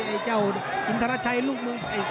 ไอ้เจ้าอินทรชัยลูกมือ